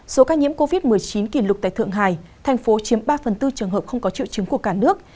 số ca nhiễm covid một mươi chín kỷ lục tại thượng hải thành phố chiếm ba phần tư trường hợp không có triệu chứng của cả nước